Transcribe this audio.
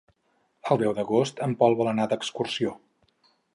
El deu d'agost en Pol vol anar d'excursió.